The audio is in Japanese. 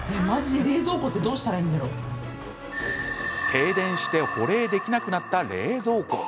停電して保冷できなくなった冷蔵庫。